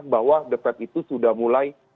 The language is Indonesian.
bahwa the fed itu sudah mulai